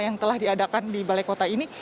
yang telah diadakan di balai kota ini